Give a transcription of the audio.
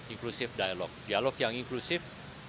inklusif dialog dialog yang inklusif